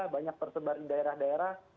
banyak tersebar di daerah daerah